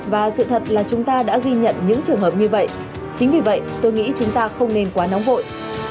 và sự thật là chúng ta đã ghi nhận những trường hợp như vậy chính vì vậy tôi nghĩ chúng ta không nên quá nóng vội